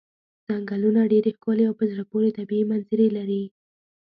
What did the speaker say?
څنګلونه ډېرې ښکلې او په زړه پورې طبیعي منظرې لري.